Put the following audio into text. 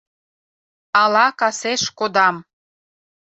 Ала касеш кодам